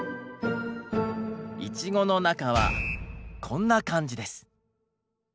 イチゴの中はこんな感じです。